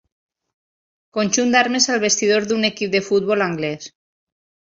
Conjunt d'armes al vestidor d'un equip de futbol anglès.